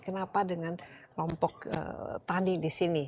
kenapa dengan kelompok tani di sini